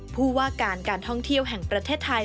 ผู้ว่าการการท่องเที่ยวแห่งประเทศไทย